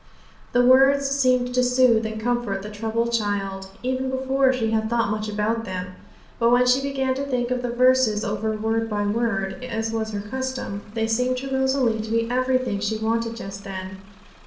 The words seemed to soothe and comfort the troubled child, even before she had thought much about them. But when she began to think the verses over word by word, as was her custom, they seemed to Rosalie to be everything she wanted just then.